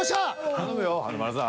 頼むよ華丸さん。